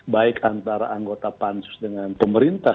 baik antara anggota pansus dengan pemerintah